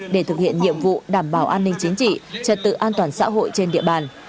để thực hiện nhiệm vụ đảm bảo an ninh chính trị trật tự an toàn xã hội trên địa bàn